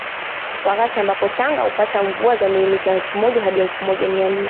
Wakati ambapo Tanga hupata mvua za millimita elfu moja hadi elfu moja mia nne